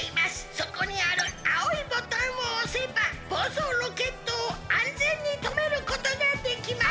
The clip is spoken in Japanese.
そこにあるあおいボタンをおせばぼうそうロケットをあんぜんにとめることができます！」。